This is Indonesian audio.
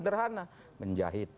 di sana menjahit